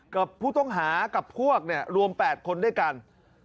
กับผู้ต้องหากับพวกเนี่ยรวม๘คนด้วยกัน